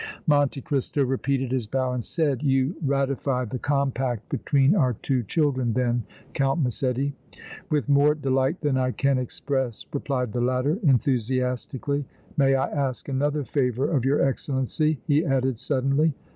Monte Cristo repeated his bow and said: "You ratify the compact between our two children then, Count Massetti?" "With more delight than I can express!" replied the latter, enthusiastically. "May I ask another favor of your Excellency?" he added, suddenly.